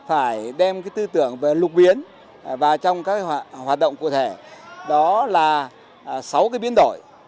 phải đem tư tưởng về lục biến và trong các hoạt động cụ thể đó là sáu biến đổi